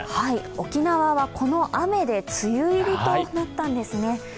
沖縄はこの雨で梅雨入りとなったんですね。